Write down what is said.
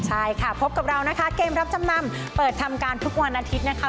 ใช่ค่ะพบกับเรานะคะเกมรับจำนำเปิดทำการทุกวันอาทิตย์นะคะ